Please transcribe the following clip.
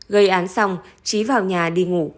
gây án xong trí vào nhà đi ngủ